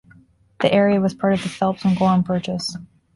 The area was part of the Phelps and Gorham Purchase.